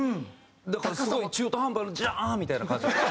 だからすごい中途半端な「ジャーン！」みたいな感じ。